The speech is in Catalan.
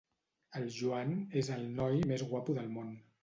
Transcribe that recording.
El Joan és el noi més guapo del món.